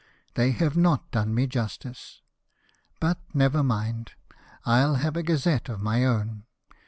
They have not done me justice. But, never mind, I'll have a gazette of my own."